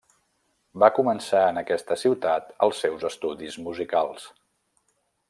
Va començar en aquesta ciutat els seus estudis musicals.